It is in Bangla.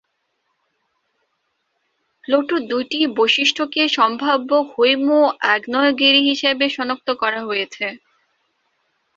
প্লুটোর দু’টি বৈশিষ্ট্যকে সম্ভাব্য হৈম-আগ্নেয়গিরি হিসেবে শনাক্ত করা হয়েছে।